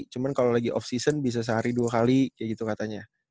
cuman kalo lagi off season bisa sehari dua kali gitu katanya